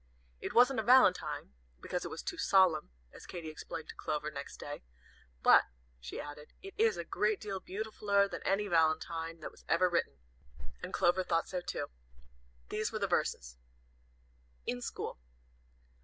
It wasn't a valentine, because it was too solemn, as Katy explained to Clover, next day. "But," she added, "it is a great deal beautifuller than any valentine that ever was written." And Clover thought so too. These were the verses: "IN SCHOOL.